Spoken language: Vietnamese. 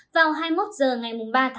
vào hai mươi một h ngày ba một mươi một